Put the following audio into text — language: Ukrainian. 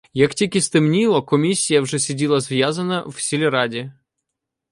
Як тільки стемніло, комісія вже сиділа зв'язана в сільраді.